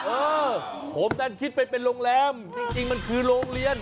เออผมนั้นคิดไปเป็นโรงแรมจริงมันคือโรงเรียน